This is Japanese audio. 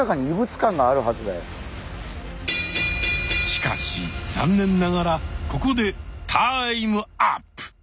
しかし残念ながらここでタイムアップ。